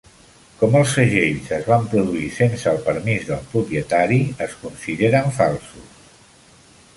Com els segells es van produir sense el permís del propietari, es consideren falsos.